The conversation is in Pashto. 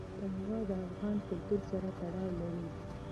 تنوع د افغان کلتور سره تړاو لري.